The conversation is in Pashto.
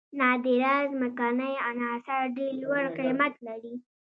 نادره ځمکنۍ عناصر ډیر لوړ قیمت لري.